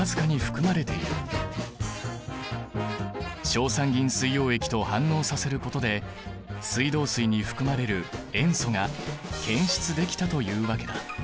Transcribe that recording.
硝酸銀水溶液と反応させることで水道水に含まれる塩素が検出できたというわけだ。